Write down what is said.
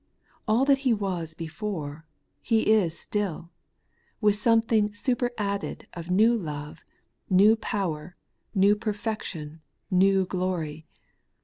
AU that He was before, He is still, with something superadded of new love, new power, new perfection, new glory.